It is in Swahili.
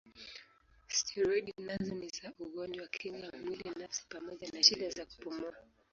Steroidi nazo ni za ugonjwa kinga mwili nafsi pamoja na shida za kupumua.